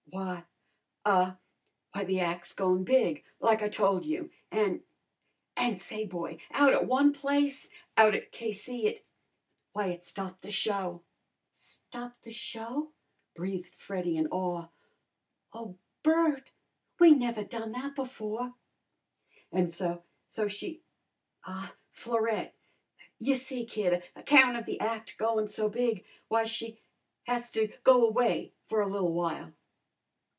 "Why ah why, the ac's goin' big, like I tole you. An' an' say, boy, out at one place out at K.C., it why, it stopped the show!" "Stopped the show!" breathed Freddy in awe. "Oh, Bert, we never done that before!" "An' so so she ah, Florette y'see, kid, account of the ac' goin' so big, why, she has to go away for a little while."